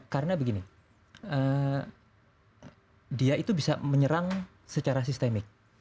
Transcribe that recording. karena begini dia itu bisa menyerang secara sistemik